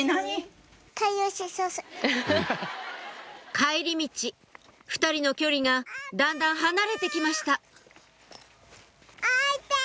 帰り道２人の距離がだんだん離れて来ました